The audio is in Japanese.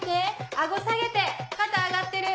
顎下げて肩上がってる。